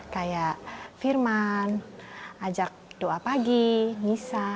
kayak firman ajak doa pagi nyisa